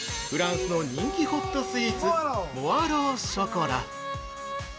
フランスの人気ホットスイーツモアローショコラ。